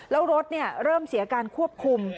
แล้วรถเริ่มเสียการควบคุม